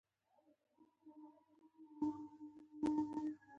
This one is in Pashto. خبره ښه نه اوري.